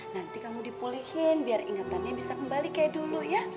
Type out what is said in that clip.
nanti kamu dipulihin biar ingatannya bisa kembali kayak dulu ya